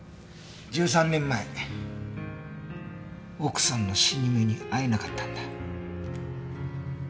１３年前奥さんの死に目に会えなかったんだ。